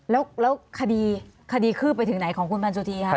แล้วคดีขือไปถึงไหนของคุณบรรจุธีครับ